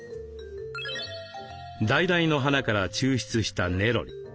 ダイダイの花から抽出したネロリ。